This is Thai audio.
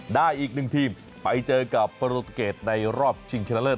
ได้อีกหนึ่งทีมไปเจอกับโปรตูเกตในรอบชิงชนะเลิศ